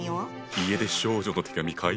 家出少女の手紙かい。